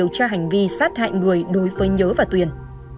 cho hành vi sát hại người đối với nhớ và tuyền